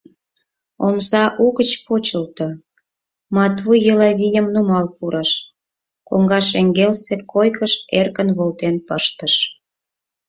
Омса угыч почылто, Матвуй Элавийым нумал пурыш, коҥга шеҥгелсе койкыш эркын волтен пыштыш.